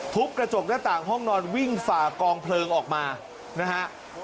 กระจกหน้าต่างห้องนอนวิ่งฝ่ากองเพลิงออกมานะฮะ